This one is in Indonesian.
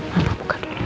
mama buka dulu